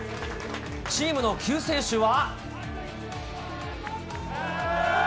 チームの救世主は。